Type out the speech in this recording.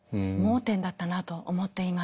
盲点だったなと思っています。